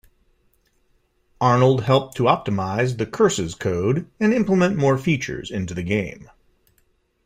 Arnold helped to optimize the curses code and implement more features into the game.